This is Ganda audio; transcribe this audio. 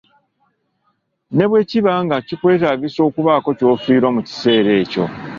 Ne bwe kiba nga kikwetaagisa okubaako ky'ofiirwa mu kiseera ekyo.